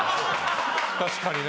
確かにな。